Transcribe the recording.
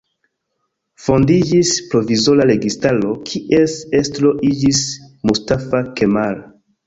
Fondiĝis provizora registaro, kies estro iĝis Mustafa Kemal.